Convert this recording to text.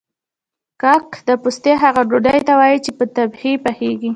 کاک د پاستي هغې ډوډۍ ته وايي چې په تبخي پخیږي